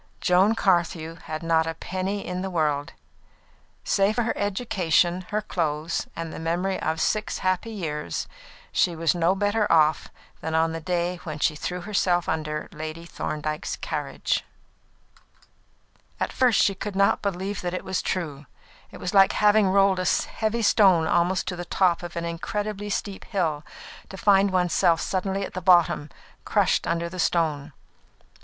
Joan Carthew had not a penny in the world; save for her education, her clothes, and the memory of six happy years, she was no better off than on the day when she threw herself under Lady Thorndyke's carriage. [Illustration: "Joan Carthew had not a penny in the world."] At first she could not believe that it was true. It was like having rolled a heavy stone almost to the top of an incredibly steep hill, to find oneself suddenly at the bottom, crushed under the stone.